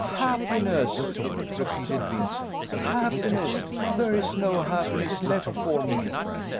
"Happiness!" repeated Vincent; "happiness there is no happiness left for me.